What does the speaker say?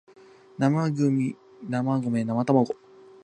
なまむぎなまごめなまたまご